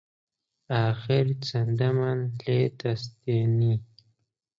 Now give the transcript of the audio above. ئاخر چەندمان لێ دەستێنی؟